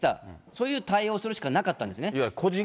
そういう対応をするしかなかったんですね。